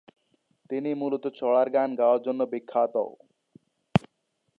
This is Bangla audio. তিনি মূলত ছড়ার গান গাওয়ার জন্য বিখ্যাত।